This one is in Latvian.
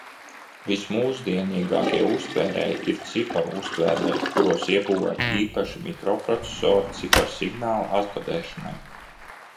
Vismūsdienīgākie uztvērēji ir ciparu uztvērēji, kuros iebūvēti īpaši mikroprocesori ciparsignāla atkodēšanai.